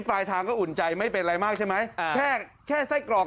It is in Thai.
ปลายทางก็อุ่นใจไม่เป็นอะไรมากใช่ไหม